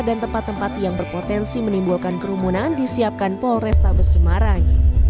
dan tempat tempat yang berpotensi menimbulkan kerumunan disiapkan polres tabes semarang